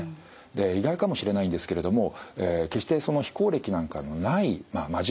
意外かもしれないんですけれども決して非行歴なんかのない真面目な女性ですね。